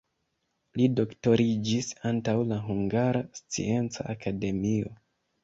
Li doktoriĝis antaŭ la Hungara Scienca Akademio.